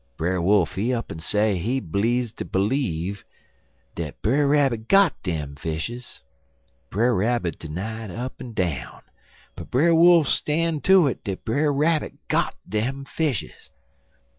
Brer Wolf he up'n say he bleedzd ter bleeve Brer Rabbit got dem fishes. Brer Rabbit 'ny it up en down, but Brer Wolf stan' to it dat Brer Rabbit got dem fishes.